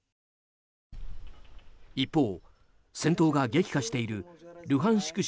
一方、戦闘が激化しているルハンシク